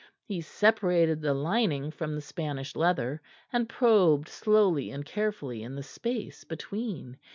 He separated the lining from the Spanish leather, and probed slowly and carefully in the space between.